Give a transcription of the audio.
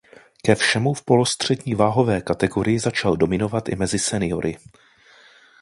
Ke všemu v polostřední váhové kategorii začal dominovat i mezi seniory.